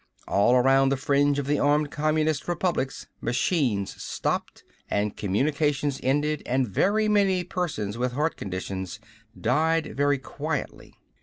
All around the fringe of the armed Communist republics machines stopped and communications ended and very many persons with heart conditions died very quietly.